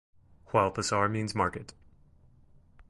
While "pasar" means "market".